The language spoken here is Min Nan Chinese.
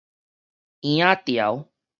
嬰仔潮